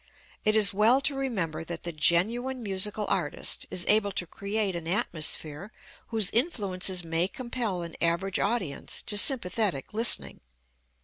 It is well to remember that the genuine musical artist is able to create an atmosphere whose influences may compel an average audience to sympathetic listening.